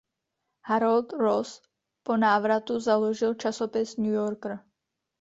Harold Ross po návratu založil časopis New Yorker.